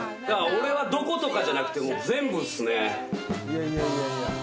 俺はどことかじゃなくて全部っすね。